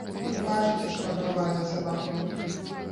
Вы бачыце, што адбываецца вакол.